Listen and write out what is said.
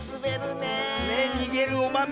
ねえにげるおまめ。